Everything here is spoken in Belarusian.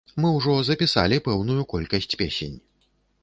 Мы ўжо запісалі пэўную колькасць песень.